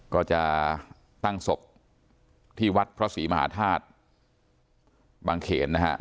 ก็จะตั้งศพที่วัดพระศรีมหาธาตุบางเขนนะครับ